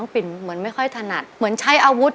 โอ้โฮตกใจ